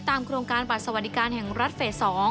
โครงการบัตรสวัสดิการแห่งรัฐเฟส๒